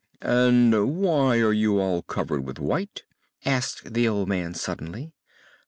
"And why are you all covered with white?" asked the old man suddenly.